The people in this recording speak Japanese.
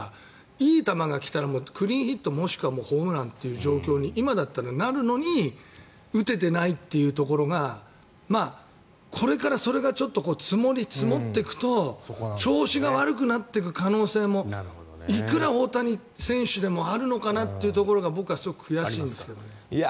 いい球が来たら、クリーンヒットもしくはホームランという状況に今だったらなるのに打ててないというところがこれからそれがちょっと積もり積もっていくと調子が悪くなっていく可能性もいくら大谷選手でもあるのかなというところが僕はすごく悔しいんですけどね。